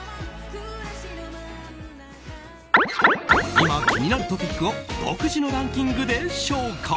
今気になるトピックを独自のランキングでご紹介。